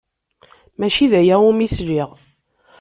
Maci d aya umi sliɣ.